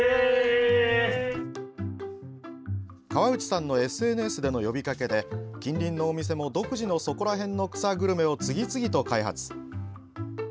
河内さんのＳＮＳでの呼びかけで近隣のお店も独自の「そこらへんの草グルメ」を次々と開発。